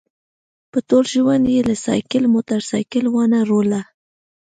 په ټول ژوند یې له سایکل موټرسایکل وانه ړوله.